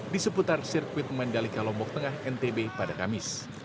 di seputar sirkuit mandalika lombok tengah ntb pada kamis